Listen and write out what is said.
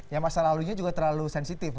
ya masa lalu ini juga terlalu sensitif